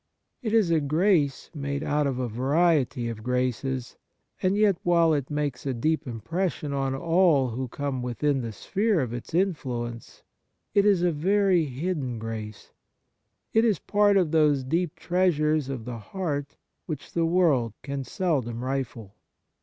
It is a grace made out of a' variety of graces, and yet while it makes a deep impression on all who come within the sphere of its influence, it is a very hidden grace. It is part of those deep treasures of the heart which the world can seldom rifle.